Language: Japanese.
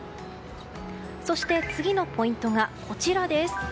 そして、次のポイントがこちら。